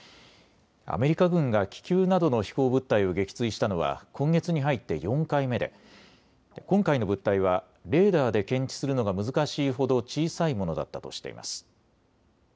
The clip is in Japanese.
アメリカ軍が気球などの飛行物体を撃墜したのは今月に入って４回目で今回の物体はレーダーで検知するのが難しいほど小さいものだったとしています。